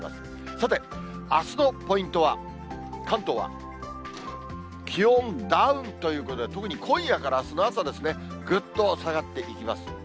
さて、あすのポイントは、関東は気温ダウンということで、特に今夜からあすの朝ですね、ぐっと下がっていきます。